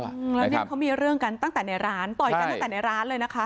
อืมแล้วเนี่ยเขามีเรื่องกันตั้งแต่ในร้านต่อยกันตั้งแต่ในร้านเลยนะคะ